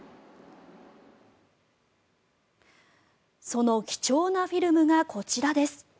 その貴重なフィルムがこちらです。